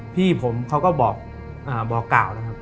พี่ผมเขาก็บอกกล่าวนะครับ